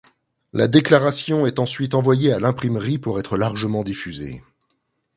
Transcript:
La Déclaration est ensuite envoyée à l’imprimerie pour être largement diffusée.